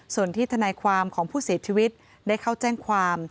ส่วนที่ทนายความของผู้เสียชีวิตได้เข้าแจ้งความ